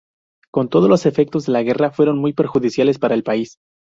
Con todo, los efectos de la guerra fueron muy perjudiciales para el país.